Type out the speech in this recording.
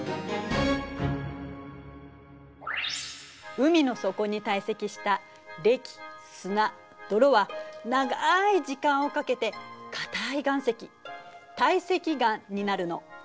海の底に堆積したれき砂泥は長い時間をかけて硬い岩石堆積岩になるの。